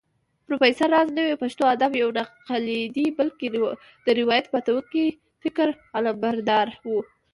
پروفېسر راز نوې پښتو ادب يو ناتقليدي بلکې د روايت ماتونکي فکر علمبردار و